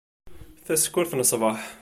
Tasekkurt n ṣbeḥ.